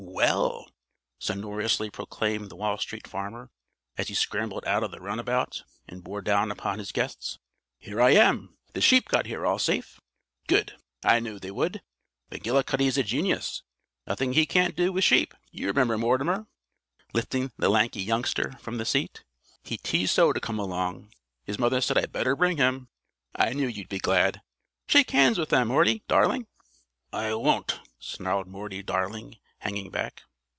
"Well!" sonorously proclaimed the Wall Street Farmer as he scrambled out of the runabout and bore down upon his hosts, "here I am! The sheep got here all safe? Good! I knew they would. McGillicuddy's a genius; nothing he can't do with sheep. You remember Mortimer?" lifting the lanky youngster from the seat. "He teased so to come along, his mother said I'd better bring him. I knew you'd be glad. Shake hands with them, Morty, darling." "I wun't!" snarled Morty darling, hanging back.